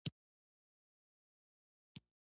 که د سل کسانو ګېډې نه شئ مړولای.